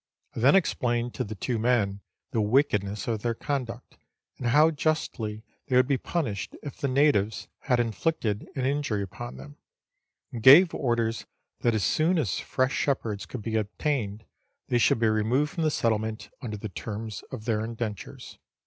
I then ex plained to the two men the wickedness of their conduct, and how justly they would be punished if the natives had inflicted an injury upon them, and gave orders that as soon as fresh shepherds could be obtained, they should be removed from the settlement, under the terms of their indentures.